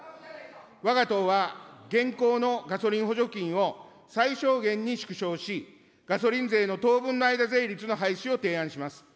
わが党は、現行のガソリン補助金を最小限に縮小し、ガソリン税の当分の間税率の廃止を提案します。